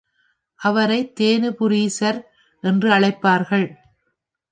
அவரைத் தேனுபுரீசர் என்றும் அழைப்பார்கள்.